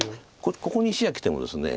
ここに石がきてもですね